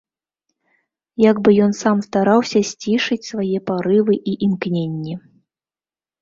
Як бы ён сам стараўся сцішыць свае парывы і імкненні.